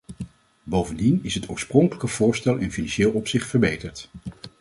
Bovendien is het oorspronkelijke voorstel in financieel opzicht verbeterd.